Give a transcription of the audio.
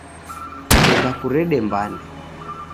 Enda kurede mbande